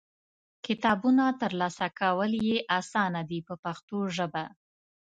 کتابونه ترلاسه کول یې اسانه دي په پښتو ژبه.